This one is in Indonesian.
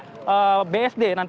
dan tetapi dari arah bsd